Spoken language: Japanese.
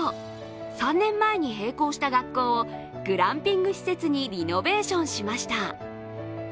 ３年前に閉校した学校をグランピング施設にリノベーションしました。